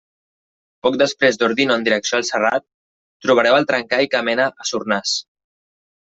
Poc després d’Ordino en direcció el Serrat, trobareu el trencall que mena a Sornàs.